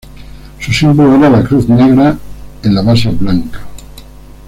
Su símbolo era la cruz negra en la base blanca.